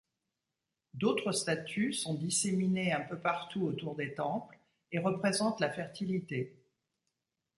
D'autres statues sont disséminées un peu partout autour des temples, et représentent la fertilité.